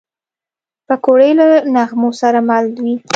پکورې له نغمو سره مل وي